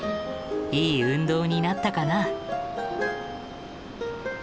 いい運動になったかな？